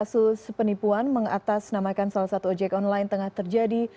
kasus penipuan mengatasnamakan salah satu ojek online tengah terjadi